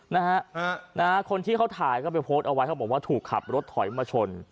นะฮะนะฮะคนที่เขาถ่ายก็ไปโพสต์เอาไว้เขาบอกว่าถูกขับรถถอยมาชน